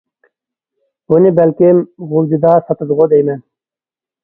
بۇنى بەلكىم غۇلجىدا ساتىدىغۇ دەيمەن.